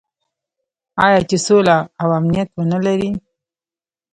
آیا چې سوله او امنیت ونلري؟